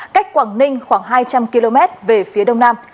cách quảng ninh khoảng hai trăm linh km về phía đông nam